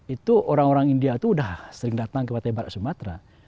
itu orang orang india itu sudah sering datang ke pantai barat sumatera